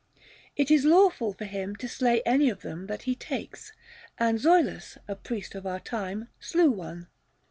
It is lawful for him to slay any of them that he takes, and Zoilus a priest of our time slew one.